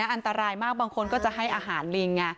อันตรายมากบางคนก็จะให้อาหารลิง